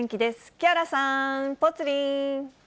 木原さん、ぽつリン。